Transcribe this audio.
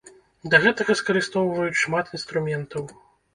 Для гэтага скарыстоўваюць шмат інструментаў.